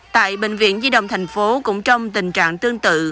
tại bệnh viện di đồng thành phố cũng trong tình trạng tương tự